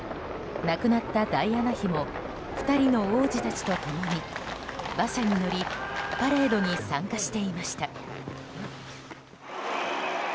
亡くなったダイアナ妃も２人の王子たちと共に馬車に乗りパレードに参加していました。